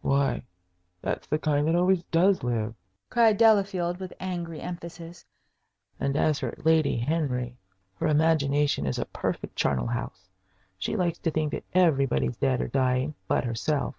"Why, that's the kind that always does live!" cried Delafield, with angry emphasis. "And as for Lady Henry, her imagination is a perfect charnel house. She likes to think that everybody's dead or dying but herself.